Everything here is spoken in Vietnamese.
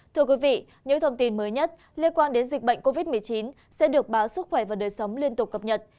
thưa quý vị những thông tin mới nhất liên quan đến dịch bệnh covid một mươi chín sẽ được báo sức khỏe và đời sống liên tục cập nhật